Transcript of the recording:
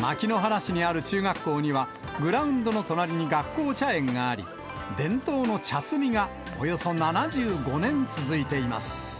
牧之原市にある中学校には、グラウンドの隣に学校茶園があり、伝統の茶摘みが、およそ７５年続いています。